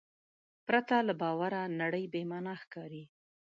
پرته له باور نړۍ بېمانا ښکاري.